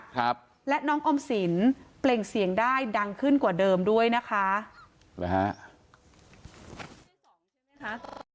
ครับและน้องอมสินเปล่งเสียงได้ดังขึ้นกว่าเดิมด้วยนะคะนะฮะ